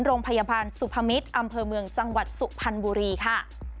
โรงพยาบาลสุพมิตรอำเภอเมืองจังหวัดสุพรรณบุรีค่ะ